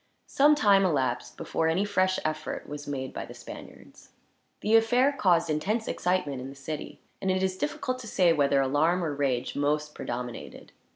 Some time elapsed before any fresh effort was made by the Spaniards. The affair caused intense excitement in the city, and it is difficult to say whether alarm, or rage, most predominated.